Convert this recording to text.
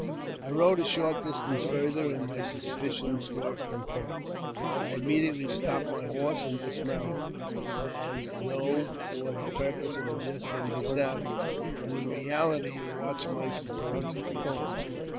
I rode ^ short distance farther, and my suspicion was confirmed. I ■amediately stopped my horse and dismounted, as though for I 344 AUTOBIOGBAPHY OF the purpose of adjusting my saddle, but in reality to watch my supposed foes.